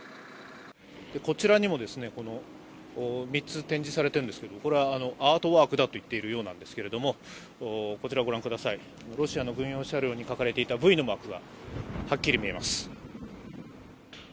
こちらにも３つ展示されているんですけどこれはアートワークだと言っているようなんですけれどもこちら、ロシアの軍用車両に書かれていた「Ｖ」のマークがはっきり見えます。